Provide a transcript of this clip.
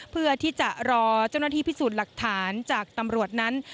เพื่อที่จะรอเจ้าหน้าที่พิสูจน์หลักฐานจากตำรวจนั้น